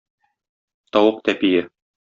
Тавык тәпие.